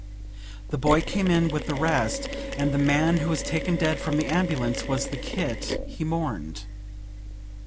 The boy came in with the rest, and the man who was taken dead from the ambulance was the Kit he mourned.